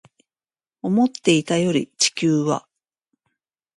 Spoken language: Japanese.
思っていたより地球は